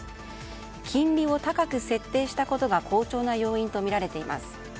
金利を高く設定したことが好調な要因とみられています。